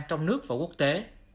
trong nước và quốc tế